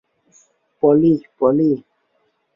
পলি, পলি!